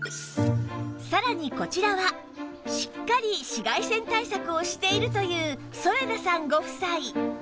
さらにこちらはしっかり紫外線対策をしているという添田さんご夫妻